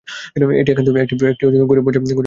এটি একান্তই একটি গরীব পর্যায়ের বর্ণনা।